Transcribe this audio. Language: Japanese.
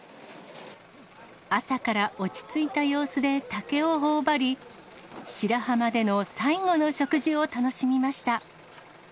朝から落ち着いた様子で竹をほおばり、白浜での最後の食事を楽しみました。